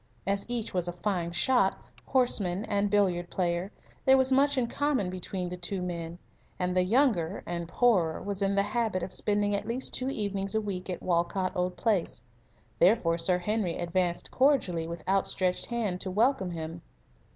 As each was a fine shot, horseman, and billiard player, there was much in common between the two men, and the younger (and poorer) was in the habit of spending at least two evenings a week at Walcot Old Place. Therefore, Sir Henry advanced cordially with outstretched hand to welcome him.